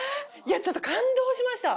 ちょっと感動しました。